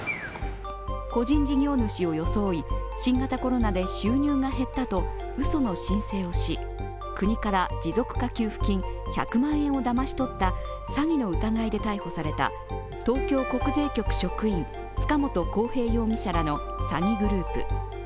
個人事業主を装い新型コロナで収入が減ったとうその申請をし、国から持続化給付金１００万円をだまし取った詐欺の疑いで逮捕された東京国税局職員、塚本晃平容疑者らの詐欺グループ。